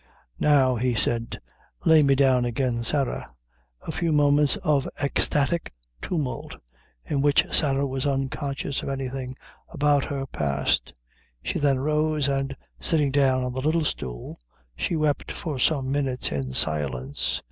"Now," he said, "lay me down again, Sarah." A few moments of ecstatic tumult, in which Sarah was unconscious of anything about her, passed. She then rose, and sitting down on the little stool, she wept for some minutes in silence.